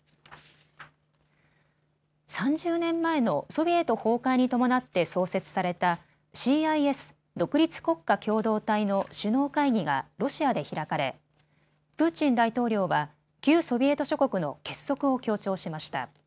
３０年前のソビエト崩壊に伴って創設されたＣＩＳ・独立国家共同体の首脳会議がロシアで開かれプーチン大統領は旧ソビエト諸国の結束を強調しました。